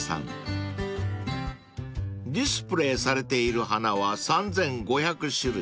［ディスプレーされている花は３，５００種類］